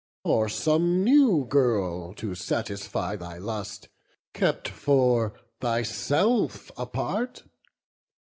Or some new girl, to gratify thy lust, Kept for thyself apart?